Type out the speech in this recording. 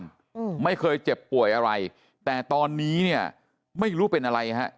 อืมไม่เคยเจ็บป่วยอะไรแต่ตอนนี้เนี้ยไม่รู้เป็นอะไรฮะ